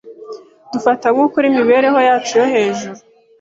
Dufata nkukuri imibereho yacu yo hejuru.